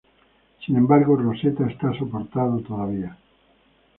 Sin embargo, Rosetta está soportado todavía.